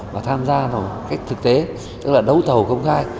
và tham gia vào cách thực tế tức là đấu thầu công khai